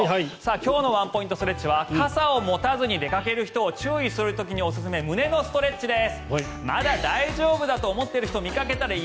今日のワンポイントストレッチは傘を持たずに出かける人を注意する時におすすめ胸のストレッチです。